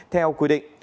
theo quy định